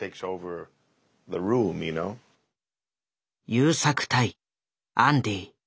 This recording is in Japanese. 優作対アンディ。